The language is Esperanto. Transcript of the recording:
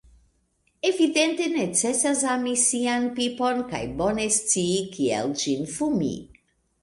Evidente, necesas ami sian pipon kaj bone scii kiel ĝin fumi...